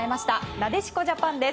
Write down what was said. なでしこジャパンです。